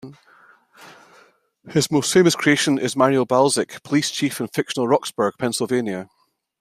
His most famous creation is Mario Balzic, police chief in fictional Rocksburg, Pennsylvania.